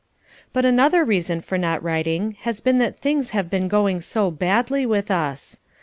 But another reason for not writing has been that things have been going so badly with us.